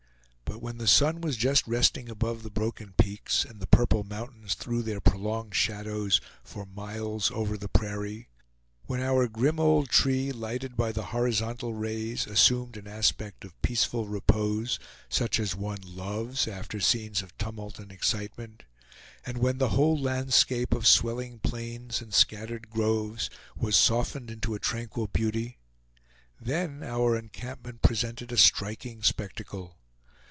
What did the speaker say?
But when the sun was just resting above the broken peaks, and the purple mountains threw their prolonged shadows for miles over the prairie; when our grim old tree, lighted by the horizontal rays, assumed an aspect of peaceful repose, such as one loves after scenes of tumult and excitement; and when the whole landscape of swelling plains and scattered groves was softened into a tranquil beauty, then our encampment presented a striking spectacle.